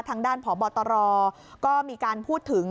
ทางด้านพบตรก็มีการพูดถึง